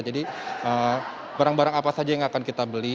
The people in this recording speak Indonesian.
jadi barang barang apa saja yang akan kita beli